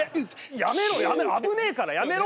やめろやめろ危ねえからやめろ！